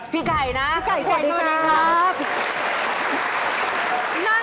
พี่ไก่นะสวัสดีครับ